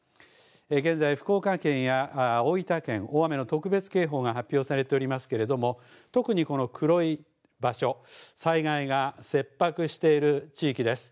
現在、福岡県や大分県、大雨の特別警報が発表されておりますけれども、特にこの黒い場所、災害が切迫している地域です。